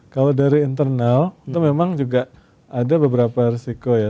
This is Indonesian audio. kalau dari internal itu memang juga ada beberapa risiko ya